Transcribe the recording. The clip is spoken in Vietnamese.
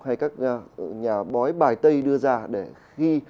hay các nhà bói bài tây đưa ra để ghi